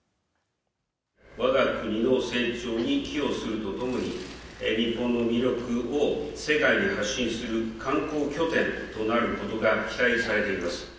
わが国の成長に寄与するとともに、日本の魅力を世界に発信する観光拠点となることが期待されています。